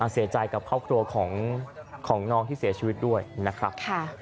เสียใจกับครอบครัวของน้องที่เสียชีวิตด้วยนะครับ